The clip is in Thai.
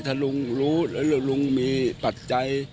ถ้าลุงรู้แล้วลุงมีปัจจัย